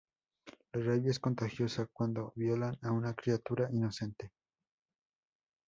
La rabia es contagiosa cuando violan a una criatura inocente.